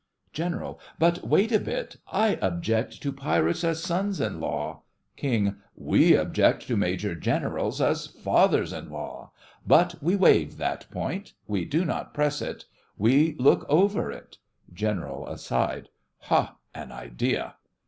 GENERAL: But wait a bit. I object to pirates as sons in law. KING: We object to major generals as fathers in law. But we waive that point. We do not press it. We look over it. GENERAL: (aside) Hah! an idea!